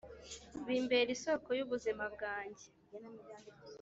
bimbera isoko y’ubuzima bwanjye